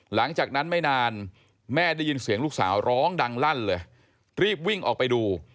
หลังจากนั้นไม่นานแม่ได้ยินเสียงลูกสาวร้องดังลั่นเลยรีบวิ่งออกไปดู